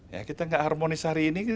ya kita nggak harmonis hari ini